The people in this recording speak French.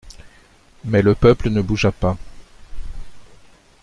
Mais le peuple ne bougea pas.